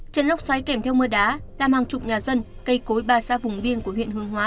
trận lốc xoáy kèm theo mưa đá làm hàng chục nhà dân cây cối ba xã vùng biên của huyện hương hóa